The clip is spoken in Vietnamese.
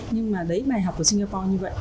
nhưng mà đấy bài học của singapore như vậy